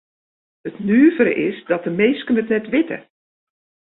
It nuvere is dat de minsken it net witte.